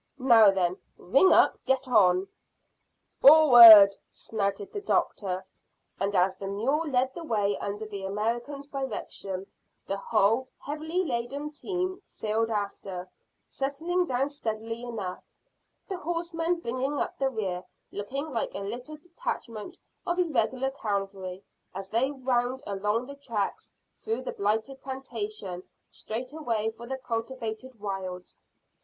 Now then, ring up. Get on." "Forward!" snouted the doctor; and as the mule led the way under the American's direction the whole heavily laden team filed after, settling down steadily enough, the horsemen bringing up the rear, looking like a little detachment of irregular cavalry as they wound along the tracks through the blighted plantation, straight away for the uncultivated wilds.